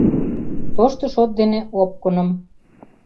Тошто шот дене — опкыным...